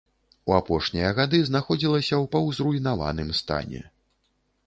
У апошнія гады знаходзілася ў паўзруйнаваным стане.